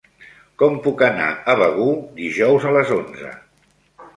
Com puc anar a Begur dijous a les onze?